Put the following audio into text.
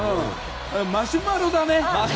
マシュマロだね。